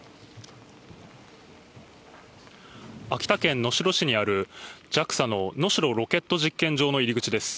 秋田県能代市にある、ＪＡＸＡの能代ロケット実験場の入り口です。